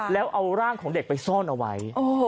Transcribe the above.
แล้วเอาร่างของเด็กไปซ่อนเอาไว้